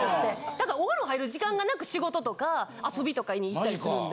だからお風呂入る時間がなく仕事とか遊びとかに行ったりするんで。